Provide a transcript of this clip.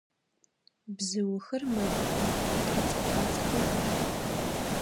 Бзыухэр мэгушӏох, хьэцӏэ-пӏацӏэхэр ашхых.